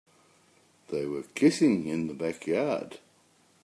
They were kissing in the backyard.